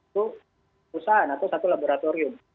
satu usaha atau satu laboratorium